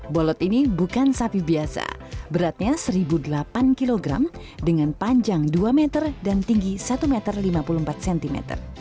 bolot ini bukan sapi biasa beratnya satu delapan kg dengan panjang dua meter dan tinggi satu meter lima puluh empat cm